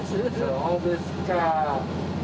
そうですか。